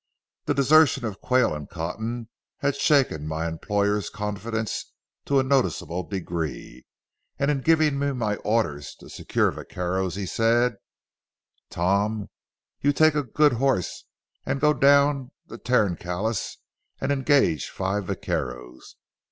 The desertion of Quayle and Cotton had shaken my employer's confidence to a noticeable degree, and in giving me my orders to secure vaqueros, he said:— "Tom, you take a good horse and go down the Tarancalous and engage five vaqueros.